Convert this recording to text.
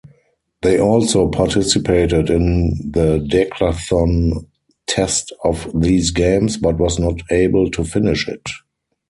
They also participated in the decathlon test of these Games, but was not able to finish it.